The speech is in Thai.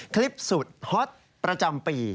คลิปสุดฮอตประจำปี